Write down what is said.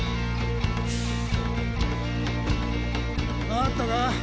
わかったか。